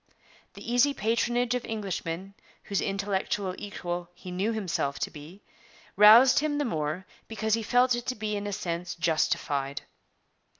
The easy patronage of Englishmen, whose intellectual equal he knew himself to be, roused him the more because he felt it to be in a sense justified.